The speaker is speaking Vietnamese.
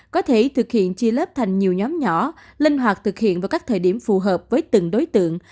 có thể thực hiện chia lớp thành nhiều nhóm nhỏ linh hoạt thực hiện vào các thời điểm phù hợp với từng đối tượng